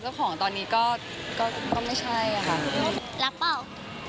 ตะเนี้ยก็ก็ไม่ใช่ค่ะได้ครับ